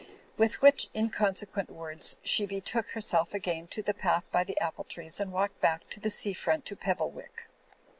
" With which inconsequent words she betook herself again to the path by the apple trees and walked back by the sea front to Pebblewick.